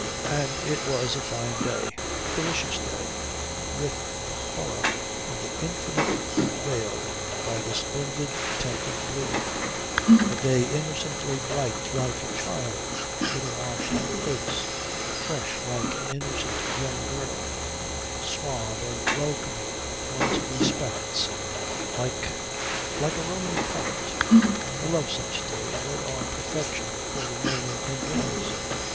And it was a fine day; a delicious day, with the horror of the Infinite veiled by the splendid tent of blue; a day innocently bright like a child with a washed face, fresh like an innocent young girl, suave in welcoming one's respects like like a Roman prelate. I love such days. They are perfection for remaining indoors.